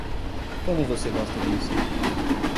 Como você gosta disso?